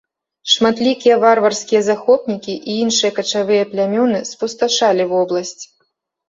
Шматлікія варварскія захопнікі і іншыя качавыя плямёны спусташалі вобласць.